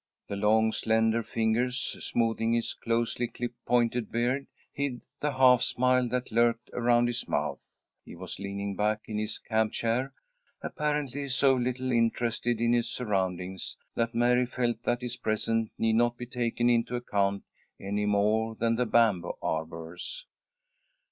The long, slender fingers, smoothing his closely clipped, pointed beard, hid the half smile that lurked around his mouth. He was leaning back in his camp chair, apparently so little interested in his surroundings, that Mary felt that his presence need not be taken into account any more than the bamboo arbour's.